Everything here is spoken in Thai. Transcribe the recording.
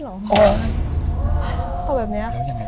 อ้อยแหละไปแบบเนี้ย